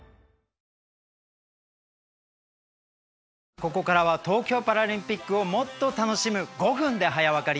ここからは東京パラリンピックをもっと楽しむ「５分で早わかり」